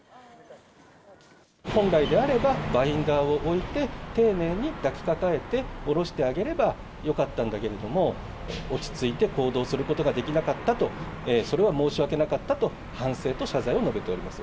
本来であれば、バインダーを置いて、丁寧に抱きかかえて降ろしてあげればよかったんだけれども、落ち着いて行動することができなかったと、それは申し訳なかったと、反省と謝罪を述べております。